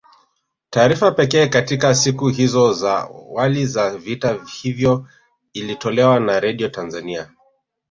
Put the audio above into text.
Taarifa pekee katika siku hizo za wali za vita hivyo ilitolewa na Redio Tanzania